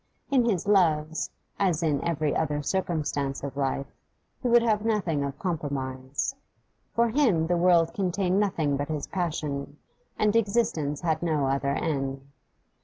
In his loves, as in every other circumstance of life, he would have nothing of compromise; for him the world contained nothing but his passion, and existence had no other end.